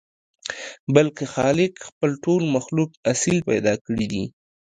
بلکې خالق خپل ټول مخلوق اصيل پيدا کړي دي.